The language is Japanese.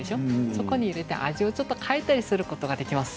そこに入れて味を変えたりすることができます。